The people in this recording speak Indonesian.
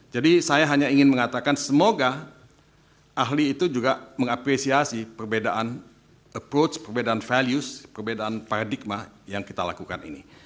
jadi saya hanya ingin mengatakan semoga ahli itu juga mengapresiasi perbedaan approach perbedaan values perbedaan paradigma yang kita lakukan ini